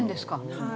はい。